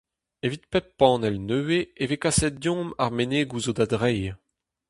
Evit pep panell nevez e vez kaset dimp ar menegoù zo da dreiñ.